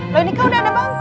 jangan beli ya